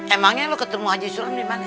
emangnya lo ketemu haji sulam dimana